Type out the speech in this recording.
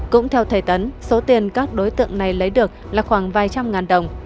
cũng theo thầy tấn số tiền các đối tượng này lấy được là khoảng vài trăm ngàn đồng